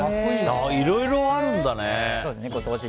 いろいろあるんだね。